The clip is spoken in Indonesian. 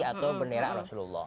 atau bendera rasulullah